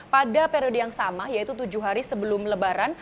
pada periode yang sama yaitu tujuh hari sebelum lebaran